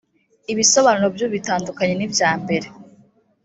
ibisobanuro byubu bitandukanye nibyambere.